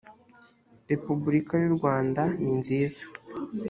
repubulika y u rwanda ninziza